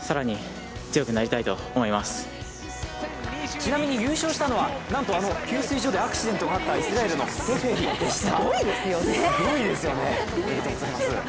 ちなみに、優勝したのはなんとあの給水所でアクシデントのあったイスラエルのテフェリでした。